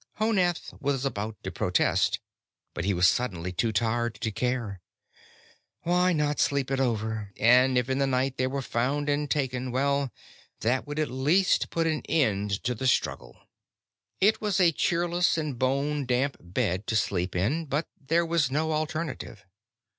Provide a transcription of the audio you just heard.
Honath was about to protest, but he was suddenly too tired to care. Why not sleep it over? And if in the night they were found and taken well, that would at least put an end to the struggle. It was a cheerless and bone damp bed to sleep in, but there was no alternative.